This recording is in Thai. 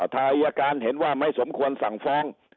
ถ้าอายการเห็นว่าไม่สมควรสั่งฟ้อง